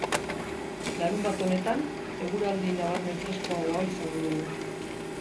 Larunbat honetan, eguraldi nabarmen freskoagoa izan dugu.